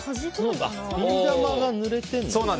ビー玉がぬれてるんだ。